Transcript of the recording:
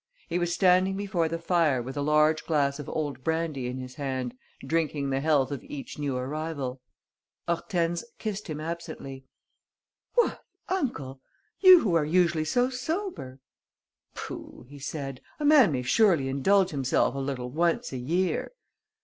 He was standing before the fire, with a large glass of old brandy in his hand, drinking the health of each new arrival. Hortense kissed him absently: "What, uncle! You who are usually so sober!" "Pooh!" he said. "A man may surely indulge himself a little once a year!..."